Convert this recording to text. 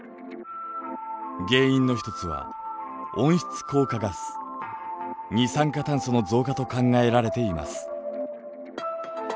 原因の一つは温室効果ガス二酸化炭素の増加と考えられています。